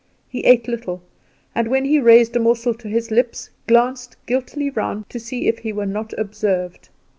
He ate little, and when he raised a morsel to his lips glanced guiltily round to see if he were not observed.